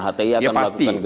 hti akan melakukan gerakan